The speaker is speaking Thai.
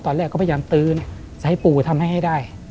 ตอนแรกก็พยายามตื้อนะจะให้ปู่ทำให้ให้ได้